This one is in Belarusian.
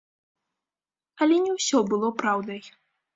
Але не ўсё было праўдай.